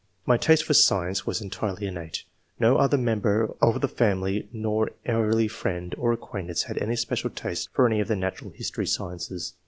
My taste [for science] was entirely innate ; no [other] member of the family nor early friend or acquaintance had any special taste for any of the natural history sciences.